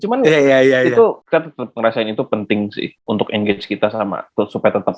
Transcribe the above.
cuman itu kan tetep ngerasain itu penting sih untuk engage kita sama supaya tetap